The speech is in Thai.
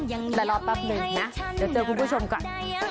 แต่รอแป๊บหนึ่งนะเดี๋ยวเจอคุณผู้ชมก่อน